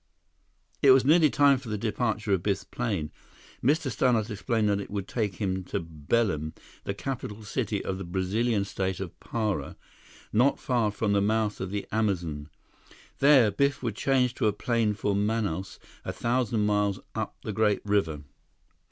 It was nearly time for the departure of Biff's plane. Mr. Stannart explained that it would take him to Belem, the capital city of the Brazilian state of Para, not far from the mouth of the Amazon. There, Biff would change to a plane for Manaus, a thousand miles up the great river.